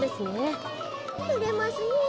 てれますねえ。